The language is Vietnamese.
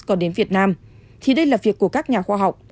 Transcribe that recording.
còn đến việt nam thì đây là việc của các nhà khoa học